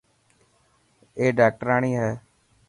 اي ڊاڪٽرياڻي هي.